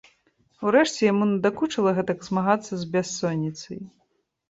Урэшце яму надакучыла гэтак змагацца з бяссонніцай.